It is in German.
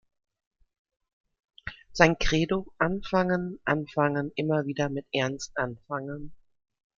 Sein Credo: "Anfangen, anfangen, immer wieder mit Ernst anfangen".